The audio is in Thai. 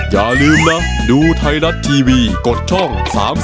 อย่าลืมนะดูไทยรัฐทีวีกดช่อง๓๒